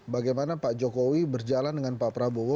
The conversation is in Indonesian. bagaimana pak jokowi berjalan dengan pak prabowo